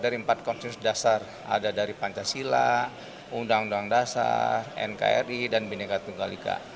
dari empat konsensus dasar ada dari pancasila undang undang dasar nkri dan bineka tunggal ika